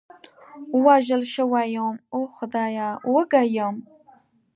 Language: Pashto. وژل شوی یم، اوه خدایه، وږی یم.